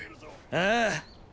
ああ。